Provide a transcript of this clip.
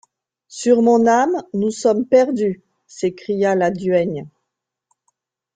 Sur mon âme, nous sommes perdues!» s’écria la duègne.